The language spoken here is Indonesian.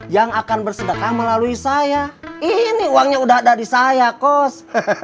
yang akan bersedekah melalui saya ini uangnya udah ada di saya kos